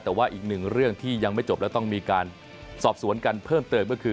แต่ว่าอีกหนึ่งเรื่องที่ยังไม่จบแล้วต้องมีการสอบสวนกันเพิ่มเติมก็คือ